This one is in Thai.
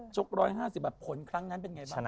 ชก๑๕๐บาทผลครั้งนั้นเป็นไงบ้าง